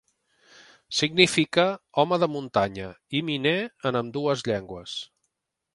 Significa "home de muntanya" i "miner" en ambdues llengües.